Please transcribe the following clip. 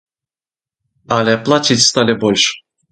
Але плаціць сталі больш.